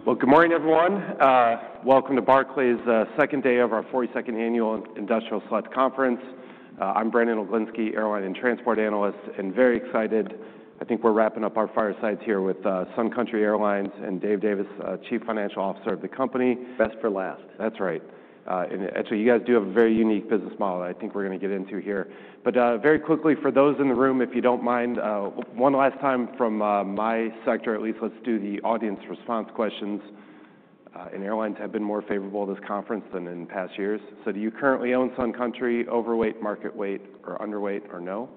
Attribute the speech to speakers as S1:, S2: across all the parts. S1: All right. Well, good morning, everyone. Welcome to Barclays, second day of our 42nd annual Industrial Select Conference. I'm Brandon Oglenski, Airline and Transport Analyst, and very excited. I think we're wrapping up our firesides here with Sun Country Airlines and Dave Davis, Chief Financial Officer of the company. Best for last. That's right, and actually, you guys do have a very unique business model that I think we're gonna get into here. But very quickly, for those in the room, if you don't mind, one last time from my sector at least, let's do the audience response questions, and airlines have been more favorable to this conference than in past years. So do you currently own Sun Country? Overweight? Market weight? Or underweight? Or no?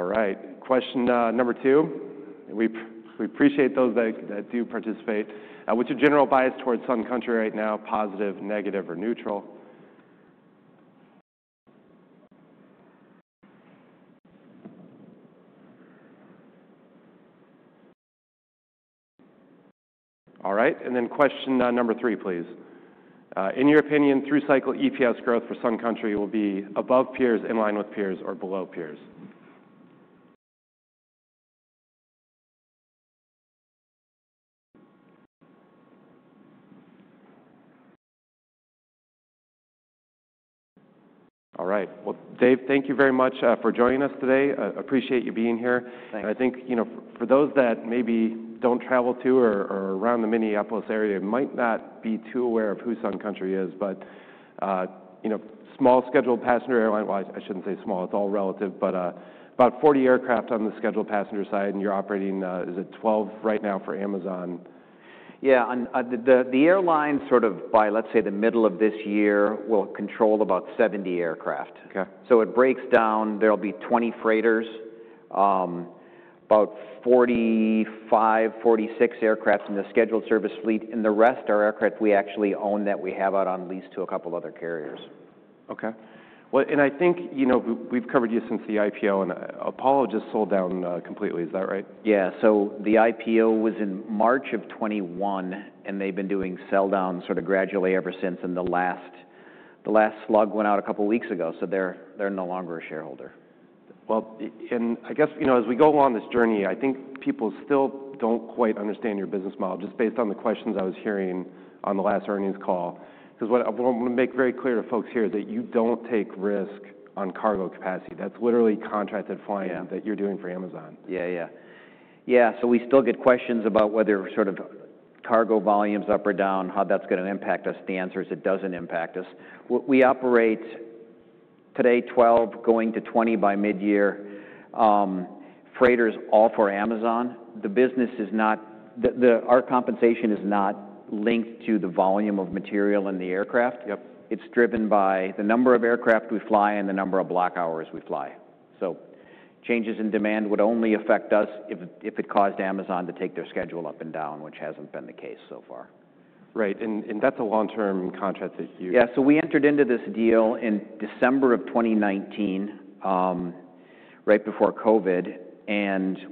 S1: All right. Question number 2, and we appreciate those that do participate. What's your general bias towards Sun Country right now? Positive, negative, or neutral? All right. And then question, number three, please. In your opinion, through cycle EPS growth for Sun Country will be above peers, in line with peers, or below peers? All right. Well, Dave, thank you very much for joining us today. Appreciate you being here.
S2: Thank you.
S1: I think, you know, for those that maybe don't travel to or around the Minneapolis area, might not be too aware of who Sun Country is, but, you know, small scheduled passenger airline. Well, I shouldn't say small, it's all relative. But, about 40 aircraft on the scheduled passenger side, and you're operating, is it 12 right now for Amazon?
S2: Yeah. On the airline, sort of by, let's say, the middle of this year, will control about 70 aircraft.
S1: Okay.
S2: So it breaks down. There'll be 20 freighters, about 45-46 aircraft in the scheduled service fleet. And the rest, our aircraft we actually own that we have out on lease to a couple other carriers.
S1: Okay. Well, and I think, you know, we've covered you since the IPO, and Apollo just sold down completely. Is that right?
S2: Yeah. So the IPO was in March of 2021, and they've been doing sell downs sort of gradually ever since, and the last slug went out a couple weeks ago, so they're no longer a shareholder.
S1: I guess, you know, as we go along this journey, I think people still don't quite understand your business model, just based on the questions I was hearing on the last earnings call. 'Cause what I want, I wanna make very clear to folks here that you don't take risk on cargo capacity. That's literally contracted flying.
S2: Yeah.
S1: That you're doing for Amazon.
S2: Yeah, yeah. Yeah. So we still get questions about whether sort of cargo volumes up or down, how that's gonna impact us. The answer is it doesn't impact us. We operate today 12, going to 20 by mid-year freighters all for Amazon. The business is not. Our compensation is not linked to the volume of material in the aircraft.
S1: Yep.
S2: It's driven by the number of aircraft we fly and the number of block hours we fly. So changes in demand would only affect us if it caused Amazon to take their schedule up and down, which hasn't been the case so far.
S1: Right. And that's a long-term contract that you.
S2: Yeah. So we entered into this deal in December of 2019, right before COVID, and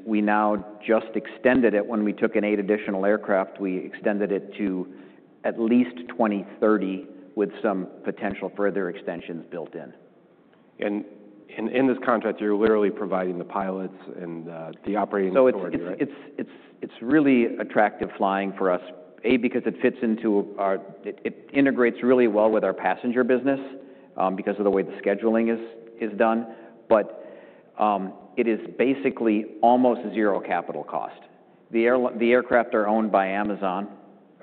S2: we now just extended it. When we took in eight additional aircraft, we extended it to at least 2030 with some potential further extensions built in.
S1: And in this contract, you're literally providing the pilots and the operating for your.
S2: It's really attractive flying for us because it integrates really well with our passenger business because of the way the scheduling is done. But it is basically almost zero capital cost. The aircraft are owned by Amazon,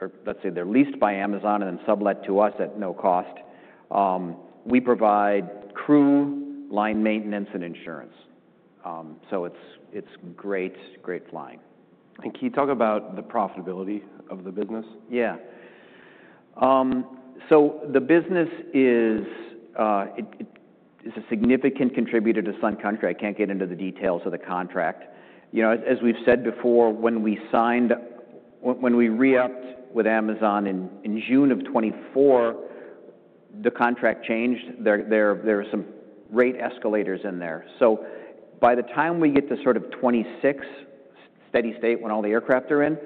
S2: or let's say they're leased by Amazon and then sublet to us at no cost. We provide crew, line maintenance, and insurance. It's great flying.
S1: Can you talk about the profitability of the business?
S2: Yeah, so the business is, it is a significant contributor to Sun Country. I can't get into the details of the contract. You know, as we've said before, when we signed when we re-upped with Amazon in June of 2024, the contract changed. There are some rate escalators in there. So by the time we get to sort of 2026, steady state when all the aircraft are in,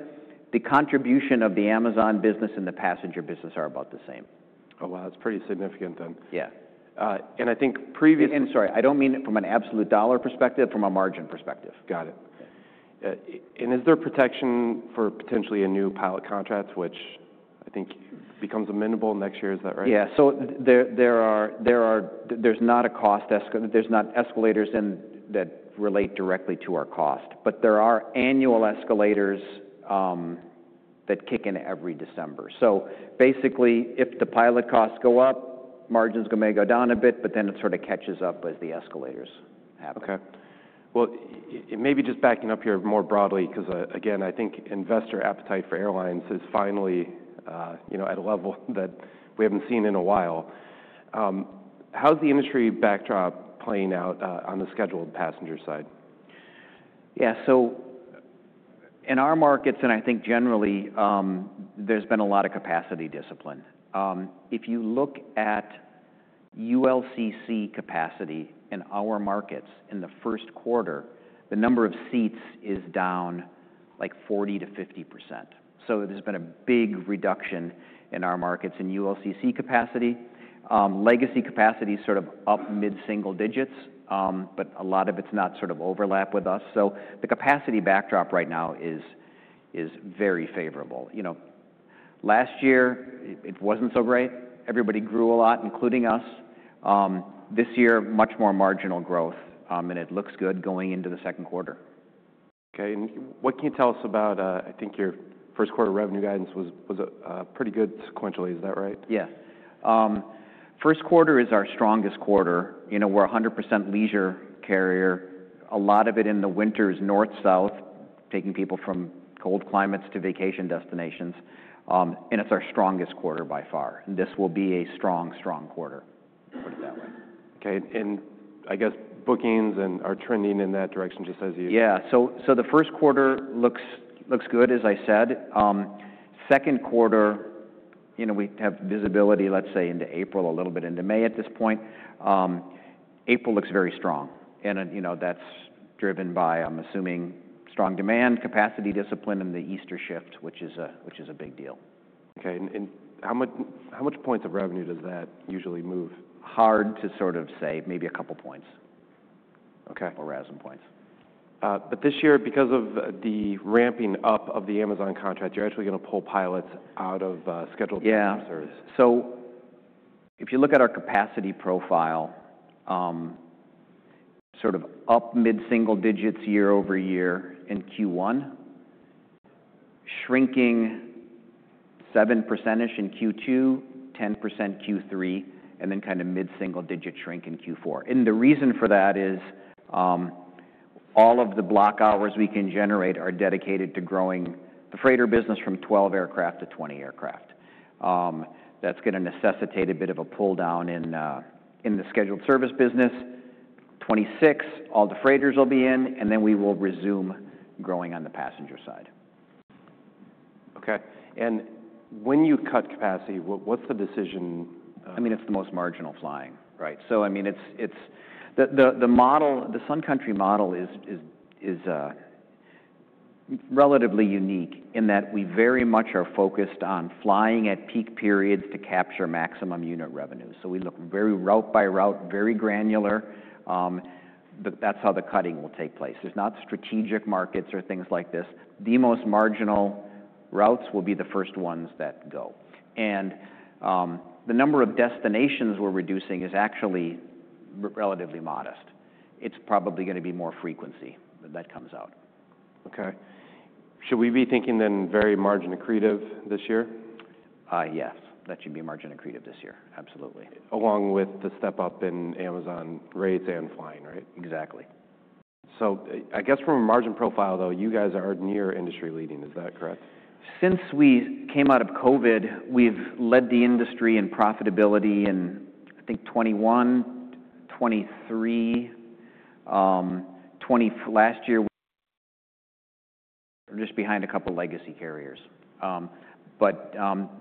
S2: the contribution of the Amazon business and the passenger business are about the same.
S1: Oh, wow. That's pretty significant then.
S2: Yeah.
S1: and I think previous.
S2: Sorry, I don't mean it from an absolute dollar perspective, from a margin perspective.
S1: Got it. And is there protection for potentially a new pilot contract, which I think becomes amenable next year? Is that right?
S2: Yeah. So there's not a cost escalator that relates directly to our cost. But there are annual escalators that kick in every December. So basically, if the pilot costs go up, margins gonna may go down a bit, but then it sort of catches up as the escalators happen.
S1: Okay. Well, it may be just backing up here more broadly 'cause, again, I think investor appetite for airlines is finally, you know, at a level that we haven't seen in a while. How's the industry backdrop playing out, on the scheduled passenger side?
S2: Yeah. So in our markets, and I think generally, there's been a lot of capacity discipline. If you look at ULCC capacity in our markets in the first quarter, the number of seats is down like 40%-50%. So there's been a big reduction in our markets in ULCC capacity. Legacy capacity's sort of up mid-single digits, but a lot of it's not sort of overlap with us. So the capacity backdrop right now is very favorable. You know, last year, it wasn't so great. Everybody grew a lot, including us. This year, much more marginal growth, and it looks good going into the second quarter.
S1: Okay. And what can you tell us about, I think your first quarter revenue guidance was pretty good sequentially. Is that right?
S2: Yeah. First quarter is our strongest quarter. You know, we're 100% leisure carrier. A lot of it in the winter is north-south, taking people from cold climates to vacation destinations, and it's our strongest quarter by far, and this will be a strong, strong quarter. Put it that way.
S1: Okay. I guess bookings are trending in that direction, just as you.
S2: Yeah. So the first quarter looks good, as I said. Second quarter, you know, we have visibility, let's say, into April, a little bit into May at this point. April looks very strong. And, you know, that's driven by, I'm assuming, strong demand, capacity discipline, and the Easter shift, which is a big deal.
S1: Okay. And how much points of revenue does that usually move?
S2: Hard to sort of say. Maybe a couple points.
S1: Okay.
S2: Or RASM points.
S1: But this year, because of the ramping up of the Amazon contract, you're actually gonna pull pilots out of scheduled passenger service.
S2: Yeah. So if you look at our capacity profile, sort of up mid-single digits year over year in Q1, shrinking 7%-ish in Q2, 10% in Q3, and then kinda mid-single digit shrink in Q4. And the reason for that is, all of the block hours we can generate are dedicated to growing the freighter business from 12 aircraft to 20 aircraft. That's gonna necessitate a bit of a pull down in the scheduled service business. 2026, all the freighters will be in, and then we will resume growing on the passenger side.
S1: Okay. And when you cut capacity, what's the decision?
S2: I mean, it's the most marginal flying. Right. So, I mean, it's the model the Sun Country model is relatively unique in that we very much are focused on flying at peak periods to capture maximum unit revenue. So we look very route-by-route, very granular. That's how the cutting will take place. There's not strategic markets or things like this. The most marginal routes will be the first ones that go. And the number of destinations we're reducing is actually relatively modest. It's probably gonna be more frequency that comes out.
S1: Okay. Should we be thinking then very margin accretive this year?
S2: Yes. That should be margin accretive this year. Absolutely.
S1: Along with the step up in Amazon rates and flying, right?
S2: Exactly.
S1: So, I guess from a margin profile, though, you guys are near industry-leading. Is that correct?
S2: Since we came out of COVID, we've led the industry in profitability in, I think, 2021, 2023. 2020 last year, we were just behind a couple legacy carriers. But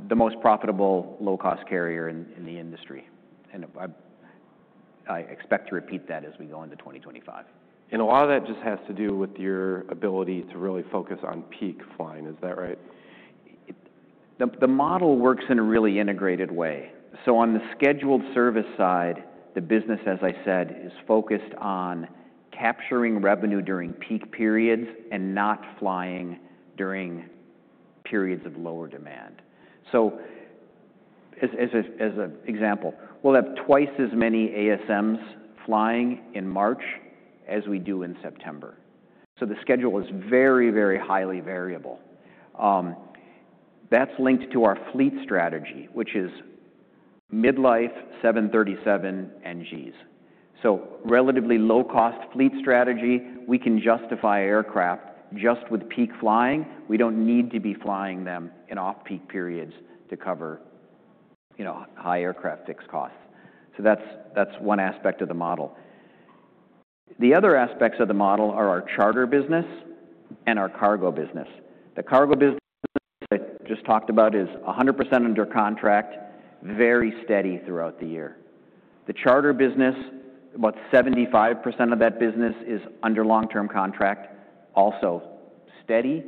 S2: the most profitable low-cost carrier in the industry. And I expect to repeat that as we go into 2025.
S1: And a lot of that just has to do with your ability to really focus on peak flying. Is that right?
S2: It, the model works in a really integrated way. So on the scheduled service side, the business, as I said, is focused on capturing revenue during peak periods and not flying during periods of lower demand. So as an example, we'll have twice as many ASMs flying in March as we do in September. So the schedule is very, very highly variable. That's linked to our fleet strategy, which is mid-life, 737 NGs. So relatively low-cost fleet strategy. We can justify aircraft just with peak flying. We don't need to be flying them in off-peak periods to cover, you know, high aircraft fixed costs. So that's one aspect of the model. The other aspects of the model are our charter business and our cargo business. The cargo business I just talked about is 100% under contract, very steady throughout the year. The charter business, about 75% of that business, is under long-term contract, also steady,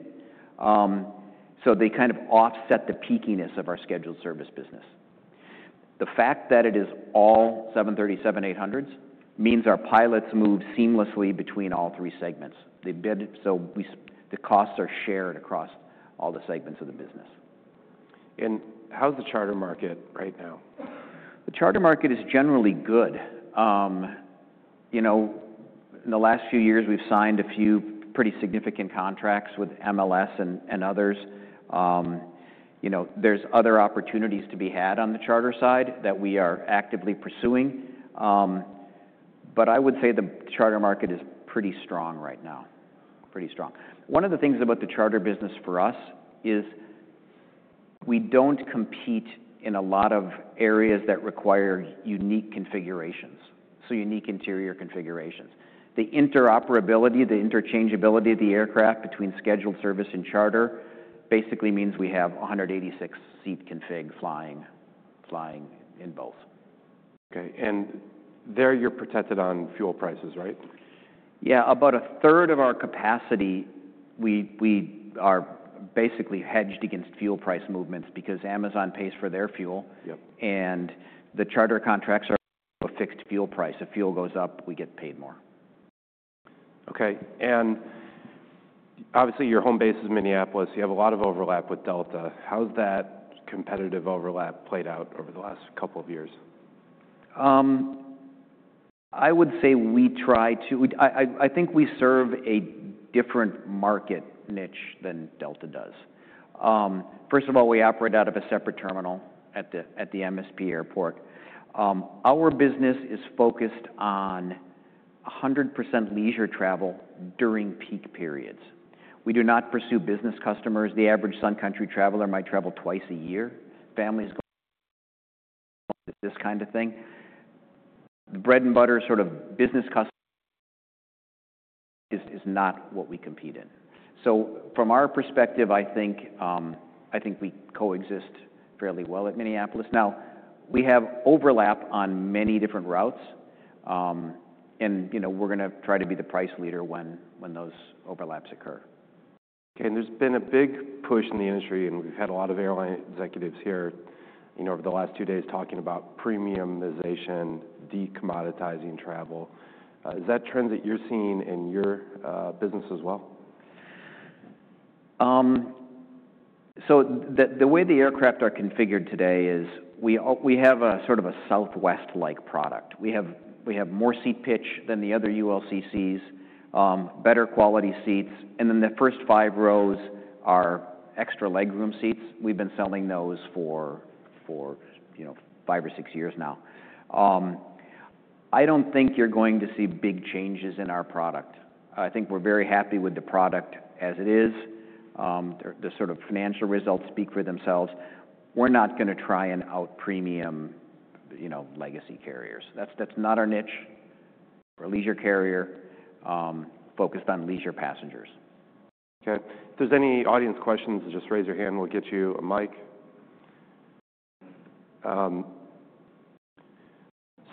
S2: so they kind of offset the peakiness of our scheduled service business. The fact that it is all 737-800s means our pilots move seamlessly between all three segments. They bid, so the costs are shared across all the segments of the business.
S1: How's the charter market right now?
S2: The charter market is generally good. You know, in the last few years, we've signed a few pretty significant contracts with MLS and others. You know, there's other opportunities to be had on the charter side that we are actively pursuing. But I would say the charter market is pretty strong right now. Pretty strong. One of the things about the charter business for us is we don't compete in a lot of areas that require unique configurations. So unique interior configurations. The interoperability, the interchangeability of the aircraft between scheduled service and charter basically means we have 186-seat config flying in both.
S1: Okay. And there you're protected on fuel prices, right?
S2: Yeah. About a third of our capacity, we are basically hedged against fuel price movements because Amazon pays for their fuel.
S1: Yep.
S2: The charter contracts are a fixed fuel price. If fuel goes up, we get paid more.
S1: Okay. And obviously, your home base is Minneapolis. You have a lot of overlap with Delta. How's that competitive overlap played out over the last couple of years?
S2: I would say we try to. I think we serve a different market niche than Delta does. First of all, we operate out of a separate terminal at the MSP Airport. Our business is focused on 100% leisure travel during peak periods. We do not pursue business customers. The average Sun Country traveler might travel twice a year. Families go this kind of thing. The bread and butter sort of business customer is not what we compete in. So from our perspective, I think we coexist fairly well at Minneapolis. Now, we have overlap on many different routes, and, you know, we're gonna try to be the price leader when those overlaps occur.
S1: Okay. There's been a big push in the industry, and we've had a lot of airline executives here, you know, over the last two days talking about premiumization, decommoditizing travel. Is that trend that you're seeing in your business as well?
S2: The way the aircraft are configured today is we have a sort of a Southwest-like product. We have more seat pitch than the other ULCCs, better quality seats. And then the first five rows are extra legroom seats. We've been selling those for, you know, five or six years now. I don't think you're going to see big changes in our product. I think we're very happy with the product as it is. The sort of financial results speak for themselves. We're not gonna try and out-premium, you know, legacy carriers. That's not our niche. We're a leisure carrier, focused on leisure passengers.
S1: Okay. If there's any audience questions, just raise your hand. We'll get you a mic,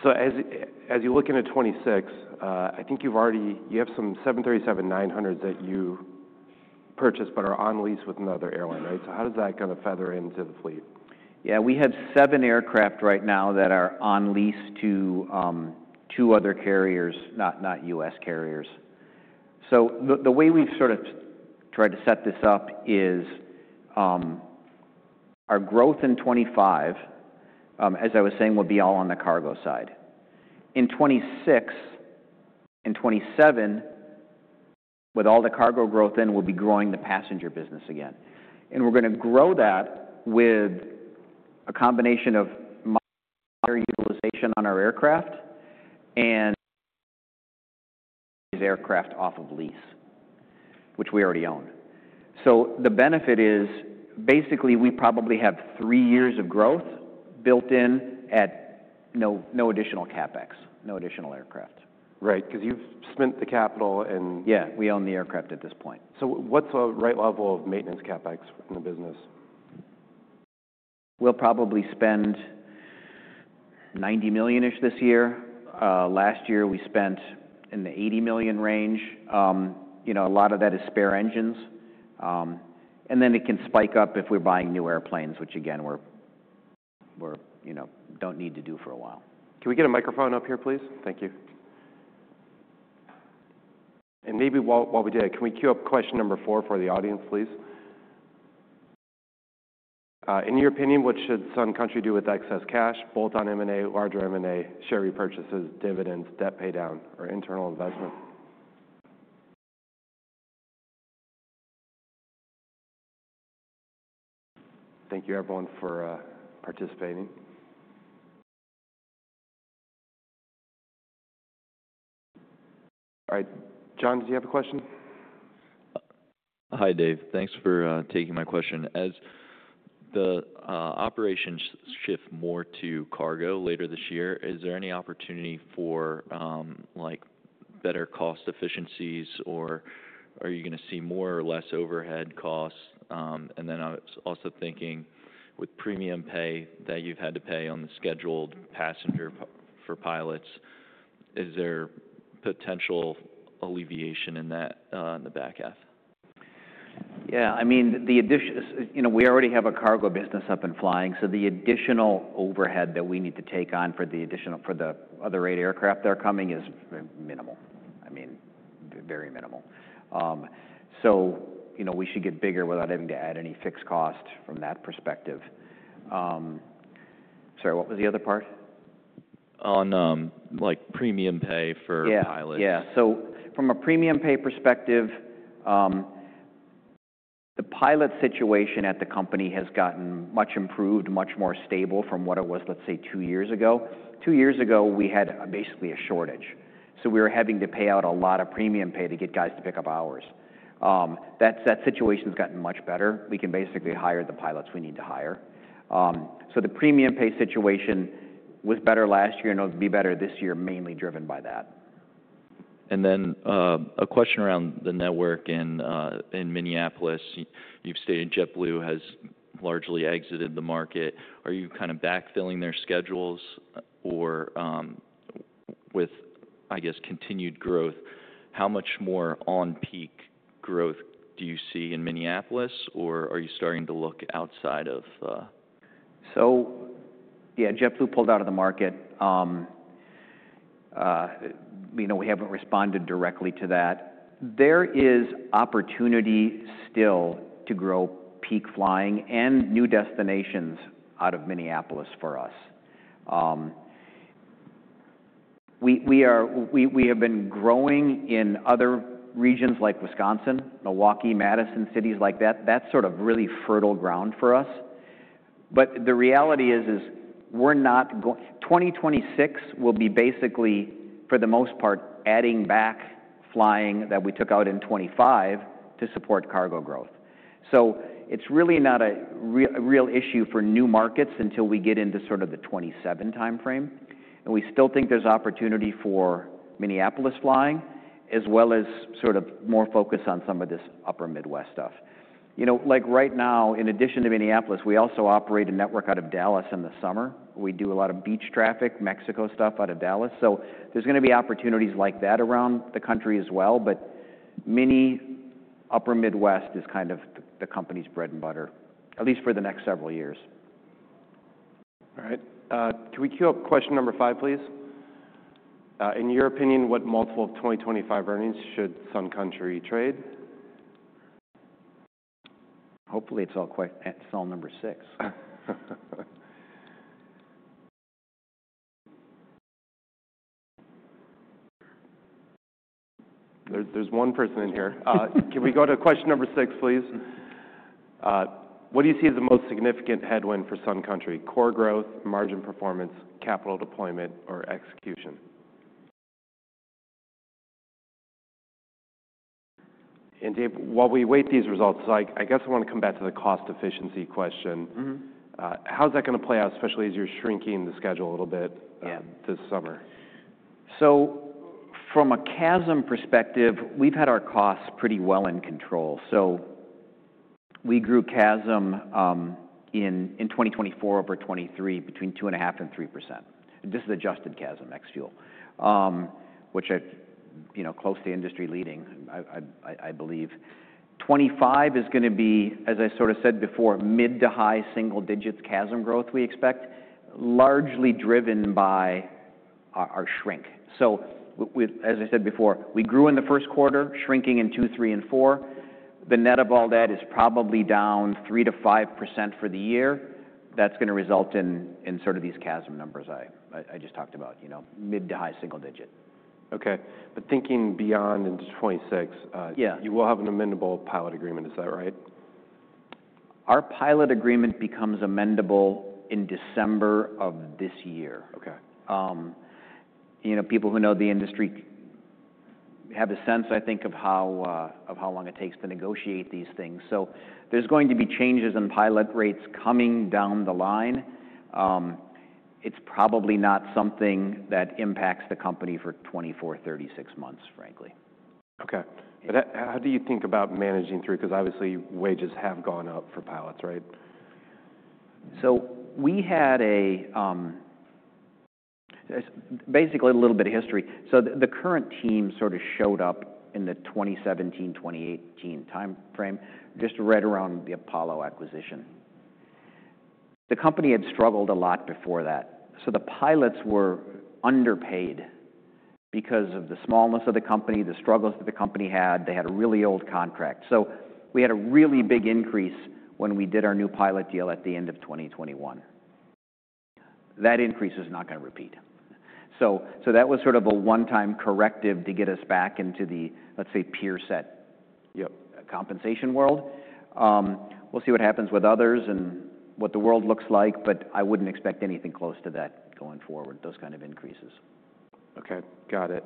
S1: so as you look into 2026, I think you've already you have some 737-900s that you purchased but are on lease with another airline, right? So how does that kinda factor into the fleet?
S2: Yeah. We have seven aircraft right now that are on lease to two other carriers, not US carriers. So the way we've sort of tried to set this up is, our growth in 2025, as I was saying, will be all on the cargo side. In 2026 and 2027, with all the cargo growth in, we'll be growing the passenger business again. And we're gonna grow that with a combination of mileage utilization on our aircraft and lease aircraft off of lease, which we already own. So the benefit is basically we probably have three years of growth built in at no additional CapEx, no additional aircraft.
S1: Right. 'Cause you've spent the capital and.
S2: Yeah. We own the aircraft at this point.
S1: So what's a right level of maintenance CapEx in the business?
S2: We'll probably spend $90 million-ish this year. Last year, we spent in the $80 million range. You know, a lot of that is spare engines. And then it can spike up if we're buying new airplanes, which, again, we're, we're, you know, don't need to do for a while.
S1: Can we get a microphone up here, please? Thank you. And maybe while we do that, can we queue up question number four for the audience, please? In your opinion, what should Sun Country do with excess cash, bolt-on M&A, larger M&A, share repurchases, dividends, debt paydown, or internal investment? Thank you, everyone, for participating. All right. John, did you have a question?
S3: Hi, Dave. Thanks for taking my question. As the operations shift more to cargo later this year, is there any opportunity for, like, better cost efficiencies, or are you gonna see more or less overhead costs? And then I was also thinking with premium pay that you've had to pay on the scheduled passenger pay for pilots, is there potential alleviation in that, in the back half?
S2: Yeah. I mean, you know, we already have a cargo business up and flying. So the additional overhead that we need to take on for the additional for the other eight aircraft that are coming is minimal. I mean, very minimal. So, you know, we should get bigger without having to add any fixed cost from that perspective. Sorry. What was the other part?
S3: On, like, premium pay for pilots.
S2: Yeah. Yeah. So from a premium pay perspective, the pilot situation at the company has gotten much improved, much more stable from what it was, let's say, two years ago. Two years ago, we had, basically a shortage. So we were having to pay out a lot of premium pay to get guys to pick up hours. That situation's gotten much better. We can basically hire the pilots we need to hire. So the premium pay situation was better last year and will be better this year, mainly driven by that.
S3: And then, a question around the network in Minneapolis. You've stated JetBlue has largely exited the market. Are you kinda backfilling their schedules, or, with, I guess, continued growth, how much more on-peak growth do you see in Minneapolis, or are you starting to look outside of,
S2: So yeah. JetBlue pulled out of the market. You know, we haven't responded directly to that. There is opportunity still to grow peak flying and new destinations out of Minneapolis for us. We have been growing in other regions like Wisconsin, Milwaukee, Madison, cities like that. That's sort of really fertile ground for us. But the reality is, we're not going. 2026 will be basically, for the most part, adding back flying that we took out in 2025 to support cargo growth. So it's really not a real issue for new markets until we get into sort of the 2027 timeframe. And we still think there's opportunity for Minneapolis flying as well as sort of more focus on some of this Upper Midwest stuff. You know, like, right now, in addition to Minneapolis, we also operate a network out of Dallas in the summer. We do a lot of beach traffic, Mexico stuff out of Dallas. So there's gonna be opportunities like that around the country as well. But the Upper Midwest is kind of the company's bread and butter, at least for the next several years.
S1: All right. Can we queue up question number five, please? In your opinion, what multiple of 2025 earnings should Sun Country trade?
S2: Hopefully, it's all quiet. It's all number six.
S1: There's one person in here. Can we go to question number six, please? What do you see as the most significant headwind for Sun Country? Core growth, margin performance, capital deployment, or execution? And, Dave, while we wait for these results, I guess I wanna come back to the cost efficiency question.
S2: Mm-hmm.
S1: How's that gonna play out, especially as you're shrinking the schedule a little bit, this summer?
S2: Yeah. So from a CASM perspective, we've had our costs pretty well in control. So we grew CASM in 2024 over 2023 between 2.5%-3%. This is adjusted CASM, ex-fuel, which I, you know, close to industry leading, I believe. 2025 is gonna be, as I sort of said before, mid- to high-single-digit CASM growth we expect, largely driven by our shrink. So we, as I said before, we grew in the first quarter, shrinking in 2023 and 2024. The net of all that is probably down 3%-5% for the year. That's gonna result in sort of these CASM numbers I just talked about, you know, mid- to high-single-digit.
S1: Okay, but thinking beyond into 2026,
S2: Yeah.
S1: You will have an amendable pilot agreement. Is that right?
S2: Our pilot agreement becomes amendable in December of this year.
S1: Okay.
S2: You know, people who know the industry have a sense, I think, of how long it takes to negotiate these things. So there's going to be changes in pilot rates coming down the line. It's probably not something that impacts the company for 24, 36 months, frankly.
S1: Okay. But how do you think about managing through? 'Cause obviously, wages have gone up for pilots, right?
S2: So we had a basically a little bit of history. So the current team sort of showed up in the 2017, 2018 timeframe, just right around the Apollo acquisition. The company had struggled a lot before that. So the pilots were underpaid because of the smallness of the company, the struggles that the company had. They had a really old contract. So we had a really big increase when we did our new pilot deal at the end of 2021. That increase is not gonna repeat. So that was sort of a one-time corrective to get us back into the, let's say, peer-set.
S1: Yep.
S2: Compensation world. We'll see what happens with others and what the world looks like. But I wouldn't expect anything close to that going forward, those kind of increases.
S1: Okay. Got it.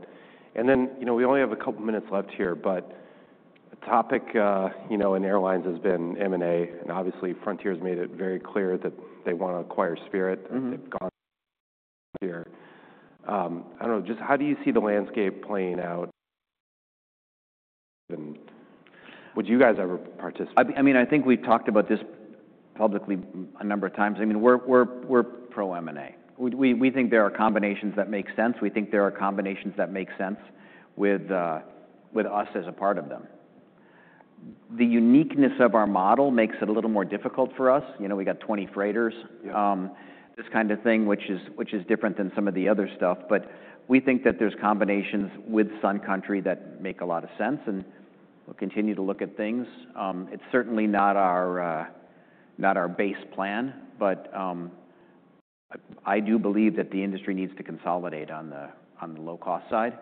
S1: And then, you know, we only have a couple minutes left here, but a topic, you know, in airlines has been M&A. And obviously, Frontier's made it very clear that they wanna acquire Spirit.
S2: Mm-hmm.
S1: They've gone here. I don't know. Just how do you see the landscape playing out? And would you guys ever participate?
S2: I mean, I think we've talked about this publicly a number of times. I mean, we're pro-M&A. We think there are combinations that make sense. We think there are combinations that make sense with us as a part of them. The uniqueness of our model makes it a little more difficult for us. You know, we got 20 freighters.
S1: Yeah.
S2: This kind of thing, which is, which is different than some of the other stuff, but we think that there's combinations with Sun Country that make a lot of sense, and we'll continue to look at things. It's certainly not our, not our base plan, but I do believe that the industry needs to consolidate on the, on the low-cost side,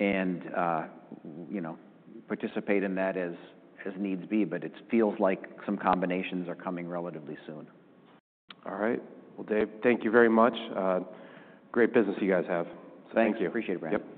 S2: and you know, participate in that as needs be, but it feels like some combinations are coming relatively soon.
S1: All right. Well, Dave, thank you very much. Great business you guys have.
S2: Thank you.
S1: Thank you.
S2: Appreciate it, Brandon.